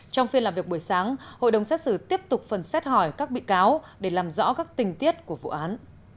trong phiên làm việc buổi sáng hội đồng xét xử tiếp tục phần xét hỏi các bị cáo để làm rõ các tình tiết của vụ án